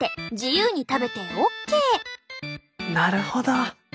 なるほど。